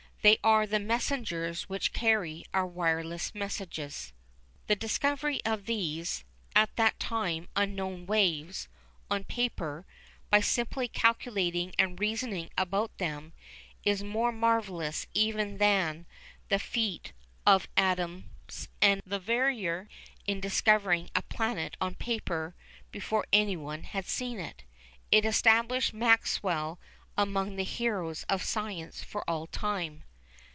They are the messengers which carry our wireless messages. The discovery of these, at that time unknown waves, on paper, by simply calculating and reasoning about them, is more marvellous even than the feat of Adams and Le Verrier in discovering a planet on paper before anyone had seen it. It established Maxwell among the heroes of science for all time.